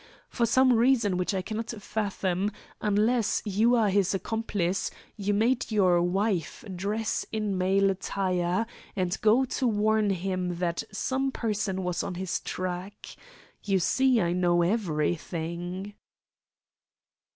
For some reason which I cannot fathom, unless you are his accomplice, you made your wife dress in male attire and go to warn him that some person was on his track. You see I know everything."